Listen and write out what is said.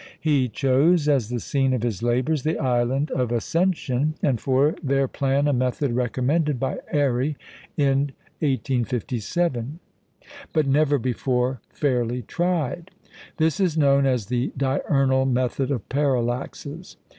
He chose, as the scene of his labours, the Island of Ascension, and for their plan a method recommended by Airy in 1857, but never before fairly tried. This is known as the "diurnal method of parallaxes."